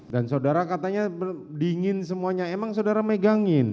dan saudara katanya dingin semuanya emang saudara megangin